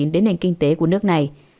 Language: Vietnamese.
đến nền kinh tế của nước này